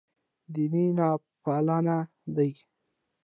دیني نوپالنه دی.